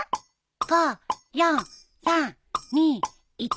５４３２１。